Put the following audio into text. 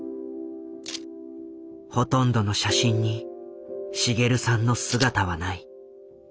ほとんどの写真に滋さんの姿はない。